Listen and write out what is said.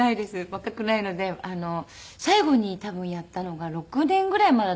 若くないので最後に多分やったのが６年ぐらい前だと思うんですけど。